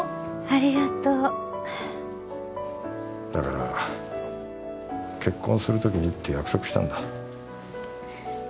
ありがとうだから結婚するときにって約束したんだ